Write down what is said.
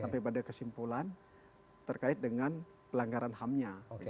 sampai pada kesimpulan terkait dengan pelanggaran hamnya